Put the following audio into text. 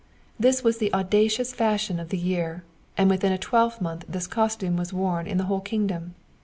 This was the audacious fashion of the year, and within a twelvemonth this costume was worn in the whole kingdom.